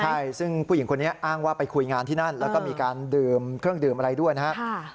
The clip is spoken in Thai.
ใช่ซึ่งผู้หญิงคนนี้อ้างว่าไปคุยงานที่นั่นแล้วก็มีการดื่มเครื่องดื่มอะไรด้วยนะครับ